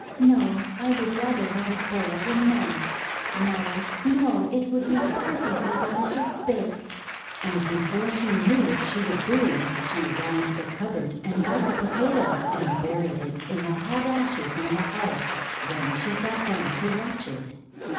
:'No! I would rather have it boiled and mashed! No! No! It would be perfectly de licious baked!' And before she knew what she was doing, she ran to the cupboard and got the Potato, and buried it in the hot ashes on the hearth. Then she sat down to watch it.